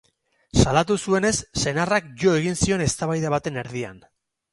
Salatu zuenez, senarrak jo egin zion eztabaida baten erdian.